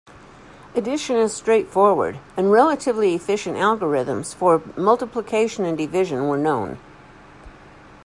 Addition is straightforward, and relatively efficient algorithms for multiplication and division were known.